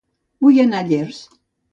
Vull anar a Llers